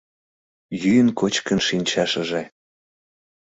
Йӱын-кочкын шинчашыже